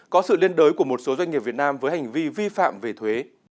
có sự liên đối của một số doanh nghiệp việt nam với hành vi vi phạm về thuế